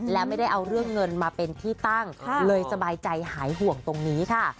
และไม่ได้เอาเรื่องเงินมาเป็นที่ตั้งเลยสบายใจหายห่วงตรงนี้ค่ะ